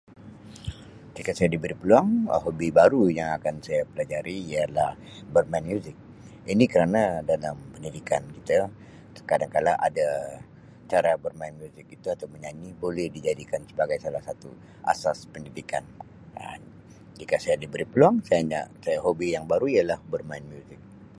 Jika saya diberi peluang Um hobi baru yang akan saya pelajari ialah bermain muzik ini kerana dalam pendidikan kita kadangkala ada cara bermain muzik itu atau menyanyi boleh dijadikan sebagai salah satu asas pendidikan Um jika saya diberi peluang saya nak hobi yang baru ialah bermain muzik.